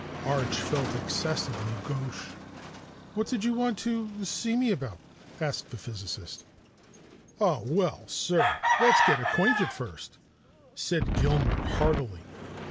Arch felt excessively gauche. "What did you want to s see me about?" asked the physicist. "Oh, well, sir, let's get acquainted first," said Gilmer heartily.